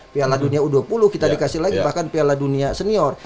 piala dunia u dua puluh kita dikasih lagi bahkan piala dunia senior